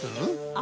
あ！